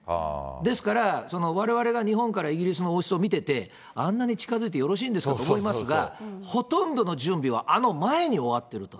ですから、われわれが日本からイギリスの王室を見てて、あんなに近づいてよろしいんですかと思いますが、ほとんどの準備はあの前に終わってると。